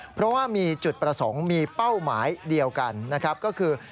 เพราะว่ามีจุดประสงค์มีเป้าหมายเดียวกันนะครับก็คือ